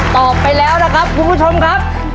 ตอบไปแล้วนะครับคุณผู้ชมครับ